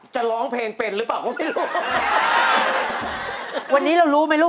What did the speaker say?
จะร้องเพลงเป็นหรือเปล่าก็ไม่รู้